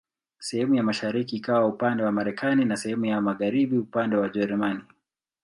Sehemu ya mashariki ikawa upande wa Marekani na sehemu ya magharibi upande wa Ujerumani.